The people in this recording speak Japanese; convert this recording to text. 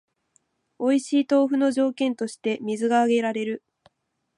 おいしい豆腐の条件として水が挙げられる